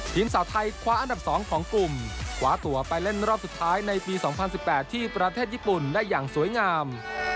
สาวไทยคว้าอันดับ๒ของกลุ่มขวาตัวไปเล่นรอบสุดท้ายในปี๒๐๑๘ที่ประเทศญี่ปุ่นได้อย่างสวยงาม